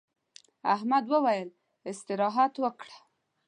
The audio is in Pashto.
احمد وويل: استراحت وکړه.